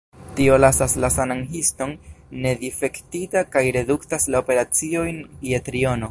Tio lasas la sanan histon nedifektita kaj reduktas la operaciojn je triono.